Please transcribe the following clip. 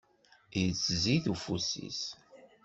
yettzid ufus-is.